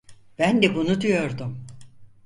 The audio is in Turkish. Ben de bunu diyorum.